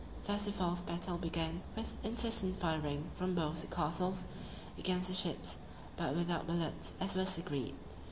Thus the false battle began, with incessant firing from both the castles, against the ships, but without bullets, as was agreed.